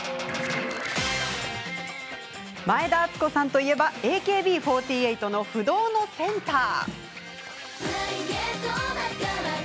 前田敦子さんといえばＡＫＢ４８の不動のセンター。